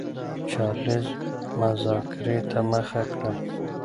چارلېز مذاکرې ته مخه کړه.